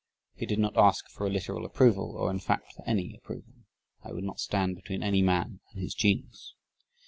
He did not ask for a literal approval, or in fact for any approval. "I would not stand between any man and his genius."